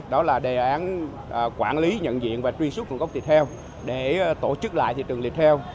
đó là đề án quản lý nhận diện và truy xuất nguồn gốc thịt heo để tổ chức lại thị trường việt theo